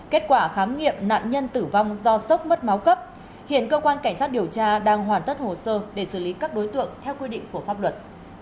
kết quả khám nghiệm nạn nhân tử vong do sốc mất máu cấp hiện cơ quan cảnh sát điều tra đang hoàn tất hồ sơ để xử lý các đối tượng theo quy định của pháp luật